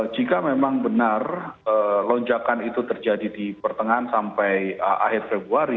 jika memang benar lonjakan itu terjadi di pertengahan sampai akhir februari